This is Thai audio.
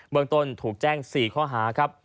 เมืองต้นถูกแจ้ง๔ข้อหาครับ